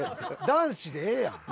男子でええやん。